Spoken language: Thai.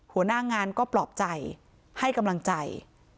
หัวหน้างานก็ปลอบใจให้กำลังใจ